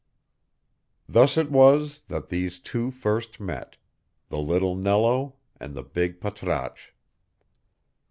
Thus it was that these two first met the little Nello and the big Patrasche.